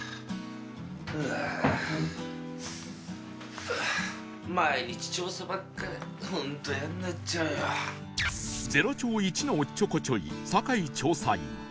あー毎日調査ばっかでホント嫌んなっちゃうよゼロ調イチのおっちょこちょい酒井調査員